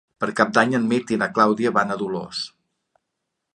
Per Cap d'Any en Mirt i na Clàudia van a Dolors.